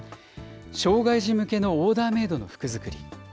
障害児向けのオーダーメイドの服づくり。